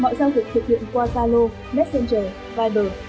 mọi giao dịch thực hiện qua zalo messenger viber